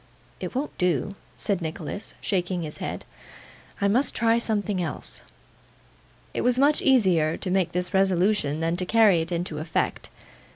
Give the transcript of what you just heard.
'It won't do,' said Nicholas, shaking his head; 'I must try something else.' It was much easier to make this resolution than to carry it into effect.